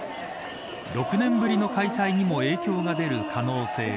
６年ぶりの開催にも影響が出る可能性が。